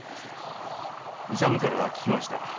勇から聞きました。